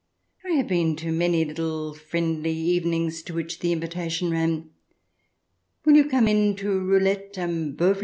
I have been to many little friendly evenings to which the invitation ran :" Will you come in to roulette and Bowie